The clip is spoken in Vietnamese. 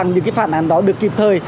những phản án đó được kịp thời